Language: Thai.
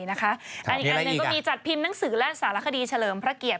อีกอันหนึ่งก็มีจัดพิมพ์หนังสือและสารคดีเฉลิมพระเกียรติ